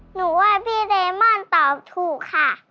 หนูว่าพี่เดมอนตอบถูกค่ะ